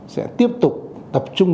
sẽ tiếp tục tập trung